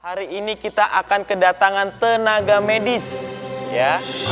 hari ini kita akan kedatangan tenaga medis ya